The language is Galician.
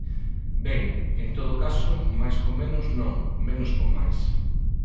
Ben, en todo caso, máis con menos, non; menos con máis.